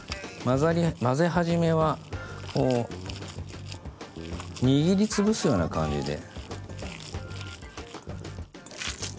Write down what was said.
混ぜ始めはこう握りつぶすような感じで。